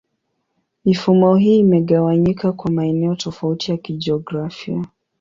Mifumo hii imegawanyika kwa maeneo tofauti ya kijiografia.